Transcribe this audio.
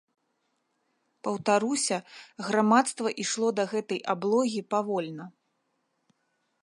Паўтаруся, грамадства ішло да гэтай аблогі павольна.